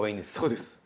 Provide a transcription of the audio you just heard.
そうです。